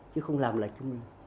chứ không làm lại chúng mình